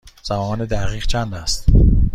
زمان دقیق چند است؟